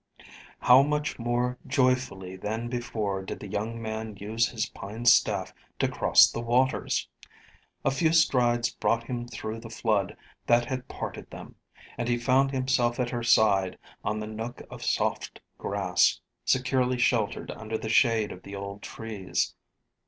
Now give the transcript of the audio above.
How much more joyfully than before did the young man use his pine staff to cross the waters! A few strides brought him through the flood that had parted them; and he found himself at her side, on the nook of soft grass, securely sheltered under the shade of the old trees.